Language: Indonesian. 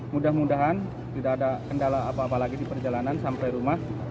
mudah mudahan tidak ada kendala apa apa lagi di perjalanan sampai rumah